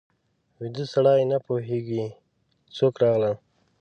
ویده سړی نه پوهېږي څوک راغلل